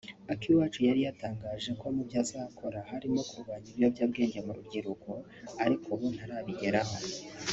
Akiwacu yari yatangaje ko mu byo azakora harimo kurwanya ibiyobyabwenge mu rubyiruko ariko ubu ntarabigeraho